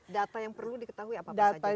data yang perlu diketahui apa saja contohnya